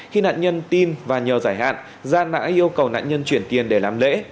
khi nạn nhân tin và nhờ giải hạn gia đã yêu cầu nạn nhân chuyển tiền để làm lễ